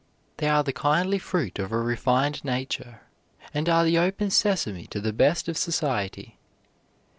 They are the kindly fruit of a refined nature, and are the open sesame to the best of society.